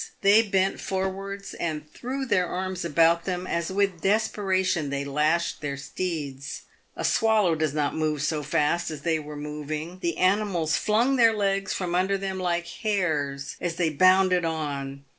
They bent forwards and threw their arms about them, as with desperation they lashed their steeds. A swallow does not move so fast as they were moving. The animals flung their legs from under them like hares, as they bounded on.